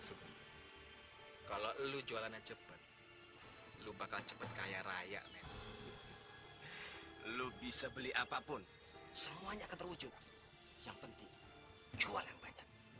sampai jumpa di video selanjutnya